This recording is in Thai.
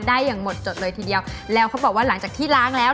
อย่างหมดจดเลยทีเดียวแล้วเขาบอกว่าหลังจากที่ล้างแล้ว